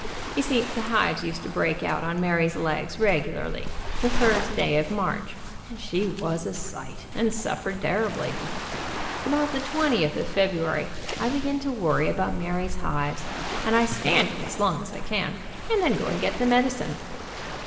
You see the hives used to break out on Mary's legs regularly, the first day of March, and she was a sight, and suffered terribly. About the 2oth of February I begin to worry about Mary's hives, and I stand it as long as I can, and then go and get the medicine.